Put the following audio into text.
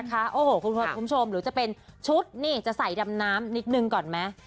โอ้โหคุณผู้ชมหรือจะเป็นชุดนี่จะใส่ดำน้ำนิดนึงก่อนไหม